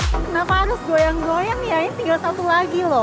kenapa harus goyang goyang ya tinggal satu lagi loh